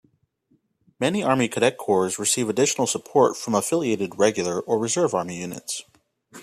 Many Army Cadet corps receive additional support from affiliated Regular or Reserve Army units.